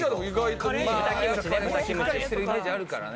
しっかりしてるイメージあるからね。